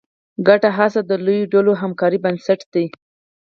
ګډه هڅه د لویو ډلو د همکارۍ بنسټ دی.